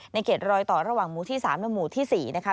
เขตรอยต่อระหว่างหมู่ที่๓และหมู่ที่๔นะคะ